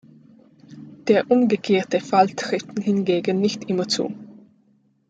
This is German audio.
Der umgekehrte Fall trifft hingegen nicht immer zu.